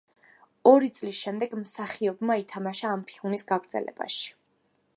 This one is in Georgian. ორი წლის შემდეგ მსახიობმა ითამაშა ამ ფილმის გაგრძელებაში.